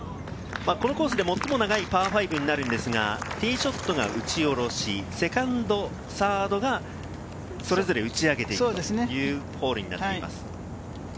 このコースでは最も長いパー５になるんですが、ティーショットが打ち下ろし、セカンド、サードがそれぞれ打ち上げていくというホールになります。